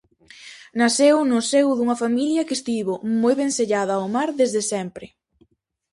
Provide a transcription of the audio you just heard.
Naceu no seu dunha familia que estivo moi vencellada ao mar desde sempre.